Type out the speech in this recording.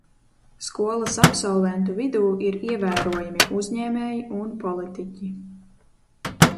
Skolas absolventu vidū ir ievērojami uzņēmēji un politiķi.